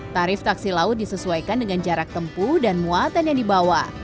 tarif taksi laut disesuaikan dengan jarak tempuh dan muatan yang dibawa